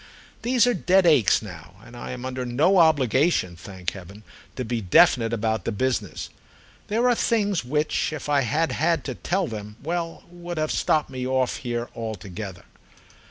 These are dead aches now, and I am under no obligation, thank heaven, to be definite about the business. There are things which if I had had to tell them—well, would have stopped me off here altogether.